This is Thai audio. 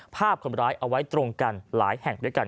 ภาพคนร้ายเอาไว้ตรงกันหลายแห่งด้วยกัน